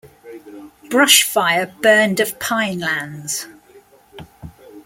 Brush fire burned of pine lands.